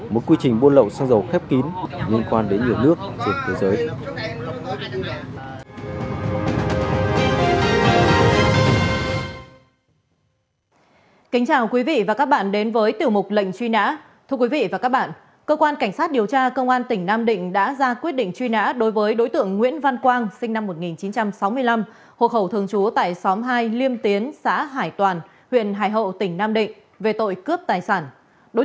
một quy trình buôn lẩu xanh dầu khép kín liên quan đến nhiều nước trên thế giới